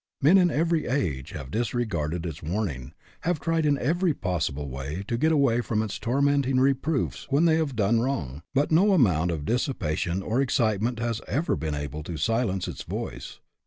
Men in every age have disregarded its warning; have tried in every possible way to get away from its tormenting reproofs when they have done wrong ; but no amount of dissipation or excite ment has ever been able to silence its voice.